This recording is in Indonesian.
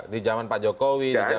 di jaman pak jokowi di jaman pak ahok